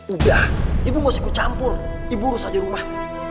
udah ibu gak usah ikut campur ibu urus aja rumah